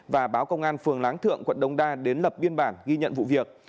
và báo công an phường láng thượng quận đông đa đến lập biên bản ghi nhận vụ việc